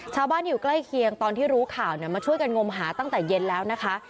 ชาวบ้านที่อยู่ใกล้เคียงตอนที่รู้ข่าวมาช่วยกันงมหาตั้งแต่เย็นแล้วนะคะ